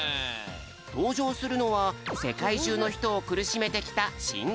とうじょうするのはせかいじゅうのひとをくるしめてきたしんがたコロナ。